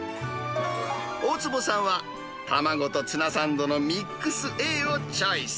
大坪さんは、卵とツナサンドのミックスＡをチョイス。